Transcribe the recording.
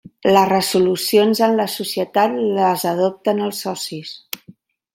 Les resolucions en la societat les adopten els socis.